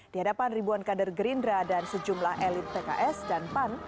di hadapan ribuan kader gerindra dan sejumlah elit pks dan pan